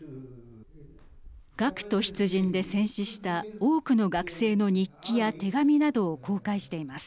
学徒出陣で戦死した多くの学生の日記や手紙などを公開しています。